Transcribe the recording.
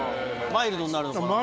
マイルドになる。